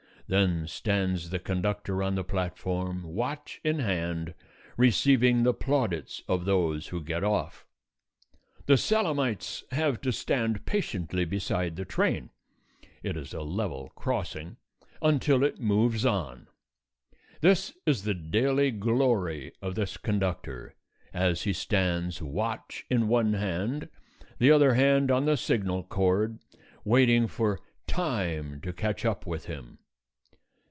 Then stands the conductor on the platform, watch in hand, receiving the plaudits of those who get off. The Salamites have to stand patiently beside the train it is a level crossing until it moves on. This is the daily glory of this conductor, as he stands, watch in one hand, the other hand on the signal cord, waiting for Time to catch up with him.